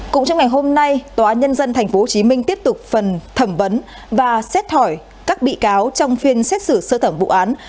cũng trong ngày hôm nay tòa nhân dân tp hcm tiếp tục phần thẩm vấn và xét thỏi các bị cáo trong phiên xét xử sơ thẩm vụ án